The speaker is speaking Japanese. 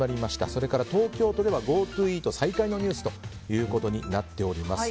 それから東京都ではＧｏＴｏイート再開のニュースということになっております。